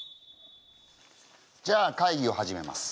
じゃあ会議を始めます。